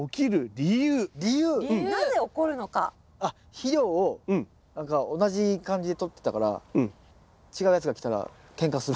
肥料をなんか同じ感じでとってたから違うやつが来たらケンカする。